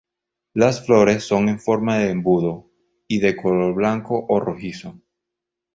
Las flores son en forma de embudo y de color blanco o rojizo.